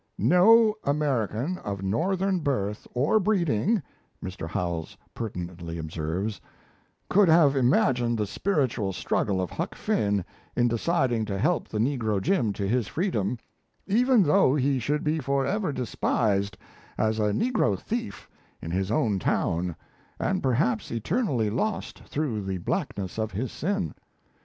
"No American of Northern birth or breeding," Mr. Howells pertinently observes, "could have imagined the spiritual struggle of Huck Finn in deciding to help the negro Jim to his freedom, even though he should be for ever despised as a negro thief in his native town, and perhaps eternally lost through the blackness of his sin.